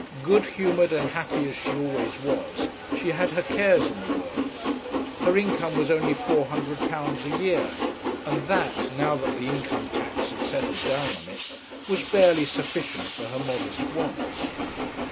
Good humoured and happy as she always was, she had her cares in the world. Her income was only £400 a year, and that, now that the Income Tax had settled down on it, was barely sufficient for her modest wants.